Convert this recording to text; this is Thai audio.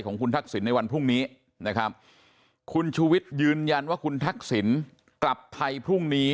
ของคุณทักษิณในวันพรุ่งนี้นะครับคุณชูวิทย์ยืนยันว่าคุณทักษิณกลับไทยพรุ่งนี้